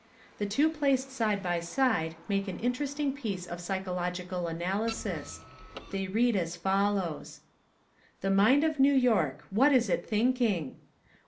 The two placed side by side make an interesting piece of psychological analysis. They read as follows: THE MIND OF NEW YORK THE MIND OF LONDON What is it thinking?